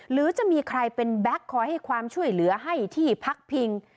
หรือจะมีใครเป็นแก๊กคอยให้ความช่วยเหลือให้ที่พักพิง